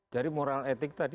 dari moral etik tadi